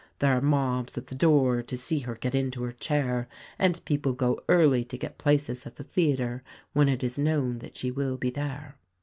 There are mobs at the doors to see her get into her chair; and people go early to get places at the theatre when it is known that she will be there."